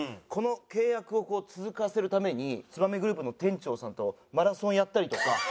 この契約を続かせるためにつばめグループの店長さんとマラソンやったりとか。